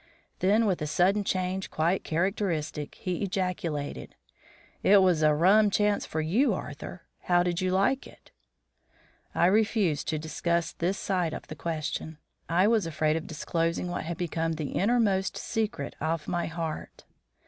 Then with a sudden change quite characteristic, he ejaculated, "It was a rum chance for you, Arthur. How did you like it?" I refused to discuss this side of the question. I was afraid of disclosing what had become the inner most secret of my heart.